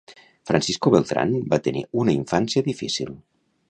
Francisco Beltran va tenir una infància difícil.